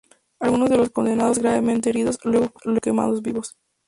Algunos de los condenados gravemente heridos luego fueron quemados vivos.